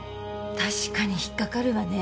確かに引っかかるわね。